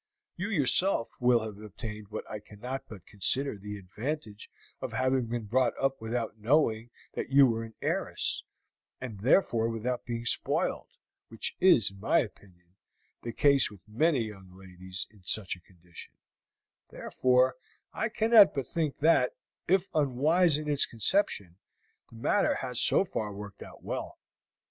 You yourself will have obtained what I cannot but consider the advantage of having been brought up without knowing that you were an heiress, and therefore without being spoiled, which is, in my opinion, the case with many young ladies in such a condition; therefore I cannot but think that, if unwise in its conception, the matter has so far worked out well.